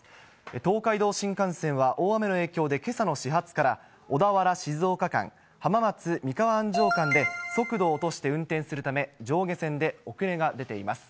東海道新幹線は、大雨の影響でけさの始発から、小田原・静岡間、浜松・三河安城間で速度を落として運転するため、上下線で遅れが出ています。